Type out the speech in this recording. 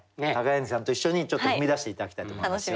柳さんと一緒にちょっと踏み出して頂きたいと思います。